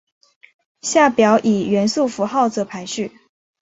下表以元素符号作排序。